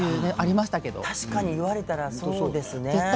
確かに言われたらそうですね。